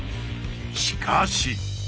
しかし！